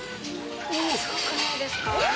すごくないですか？